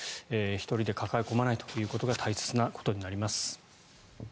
１人で抱え込まないということが大切なことになります。